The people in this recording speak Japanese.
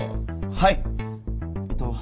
はい。